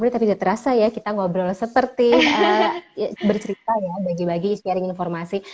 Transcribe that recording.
tiga puluh menit tapi udah terasa ya kita ngobrol seperti bercerita ya bagi bagi sharing informasi